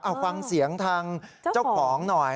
เอาฟังเสียงทางเจ้าของหน่อย